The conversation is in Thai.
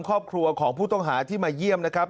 ครอบครัวของผู้ต้องหาที่มาเยี่ยมนะครับ